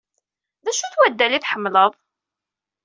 D acu-t waddal ay tḥemmled?